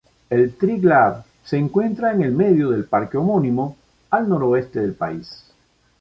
El Triglav se encuentra en el medio del parque homónimo, al noroeste del país.